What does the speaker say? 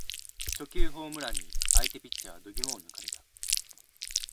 初球ホームランに相手ピッチャーは度肝を抜かれた